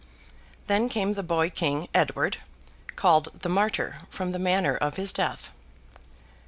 Then came the boy king, Edward, called the Martyr, from the manner of his death.